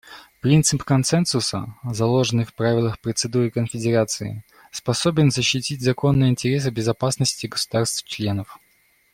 Принцип консенсуса, заложенный в правилах процедуры Конференции, способен защитить законные интересы безопасности государств-членов.